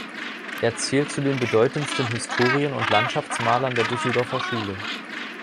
Er zählt zu den bedeutendsten Historien- und Landschaftsmalern der Düsseldorfer Schule.